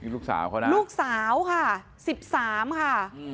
ลูกสาวเขานะลูกสาวค่ะ๑๓ค่ะ